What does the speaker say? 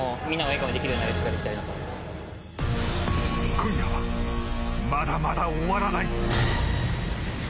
今夜はまだまだ終わらない。